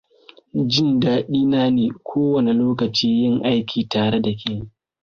Jin daɗi na ne ko wane lokaci yin aiki tare da ke.